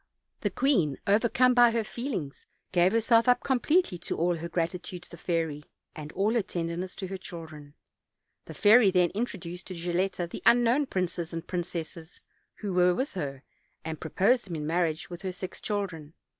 The queen, overcome by her feelings, gave herself up completely to all her gratitude to the fairy, and all her tenderness to her children. The fairy then introduced to Gilletta the unknown princes and princesses, who were with her, and proposed them in marriage with her six children.